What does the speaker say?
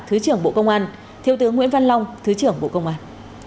thứ trưởng bộ công an thiếu tướng nguyễn văn long thứ trưởng bộ công an